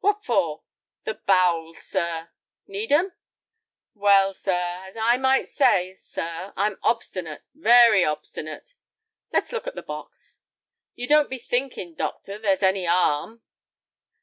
"What for?" "The bowels, sir." "Need 'em?" "Well, sir, as I might say, sir, I'm obstinate, very obstinate—" "Let's look at the box." "You don't be thinkin', doctor, there's any 'arm?"